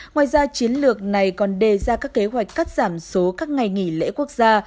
ngoài ra chiến lược này còn đề ra các kế hoạch cắt giảm số các ngày nghỉ lễ quốc gia